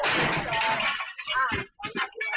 ร้อยหน่อย